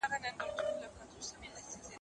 زه هره ورځ د سبا لپاره د يادښتونه بشپړوم!!